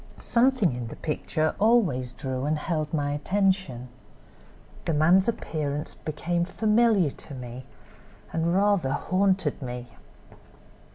Something in the picture always drew and held my attention. The man's appearance became familiar to me, and rather 'haunted' me.